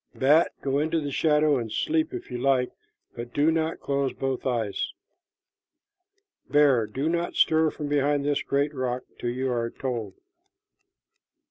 Bat, go into the shadow and sleep if you like, but do not close both eyes. Bear, do not stir from behind this great rock till you are told.